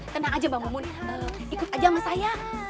tenang aja mbak mumuni ikut aja sama saya